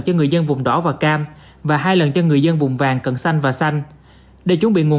cho người dân vùng đỏ và cam và hai lần cho người dân vùng vàng cận xanh và xanh để chuẩn bị nguồn